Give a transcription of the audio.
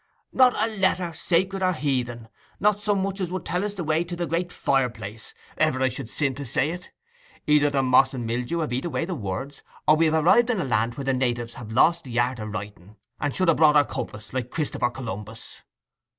'Not a letter, sacred or heathen—not so much as would tell us the way to the great fireplace—ever I should sin to say it! Either the moss and mildew have eat away the words, or we have arrived in a land where the natyves have lost the art o' writing, and should ha' brought our compass like Christopher Columbus.